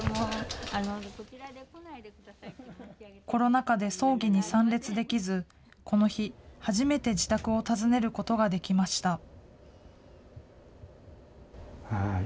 コロナ禍で葬儀に参列できず、この日、初めて自宅を訪ねることができました。